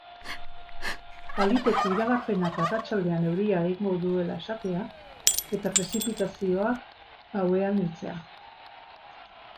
Baliteke iragarpenak arratsaldean euria egingo duela esatea, eta prezipitazioak gauean heltzea.